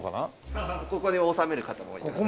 ここで納める方も多いですね。